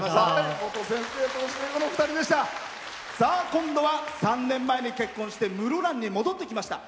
今度は３年前に結婚して室蘭に戻ってきました。